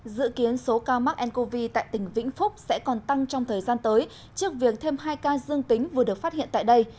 dự kiến số ca mắc ncov tại tỉnh vĩnh phúc sẽ còn tăng trong thời gian tới trước việc thêm hai ca dương tính vừa được phát hiện tại đây